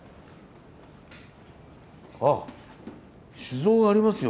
あ酒造ありますよ